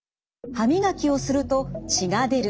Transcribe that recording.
歯磨きをすると血が出る。